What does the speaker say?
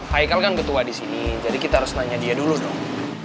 haikal kan ketua di sini jadi kita harus nanya dia dulu dong